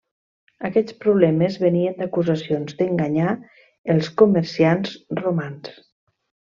Aquests problemes venien d'acusacions d'enganyar els comerciants romans.